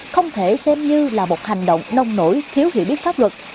không thể xem như là một hành động nông nổi thiếu hiểu biết pháp luật